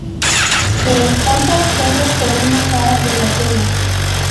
Se estampa sólo por una cara de la tela.